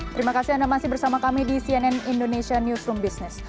terima kasih anda masih bersama kami di cnn indonesia newsroom business